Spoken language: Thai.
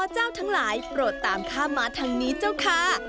เจ้าทั้งหลายโปรดตามข้ามมาทางนี้เจ้าค่ะ